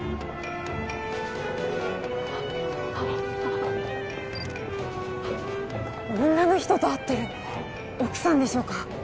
あっあっ女の人と会ってる奥さんでしょうか？